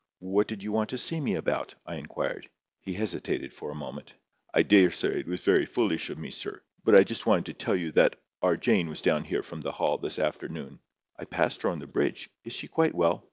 "What did you want to see me about?" I inquired. He hesitated for a moment. "I daresay it was very foolish of me, sir. But I just wanted to tell you that—our Jane was down here from the Hall this arternoon——" "I passed her on the bridge. Is she quite well?"